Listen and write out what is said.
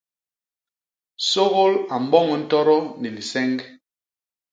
Sôgôl a mboñ ntodo ni liseñg.